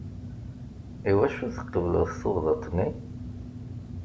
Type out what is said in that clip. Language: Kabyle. Iwacu tqebleḍ tuɣdaṭ-nni?